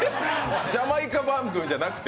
ジャマイカ番組じゃなくて。